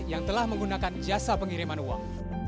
yang telah menggunakan jasa pengiriman uang